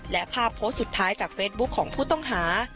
และภาพโพสต์สุดท้ายจากเฟซบุ๊คของผู้ต้องหา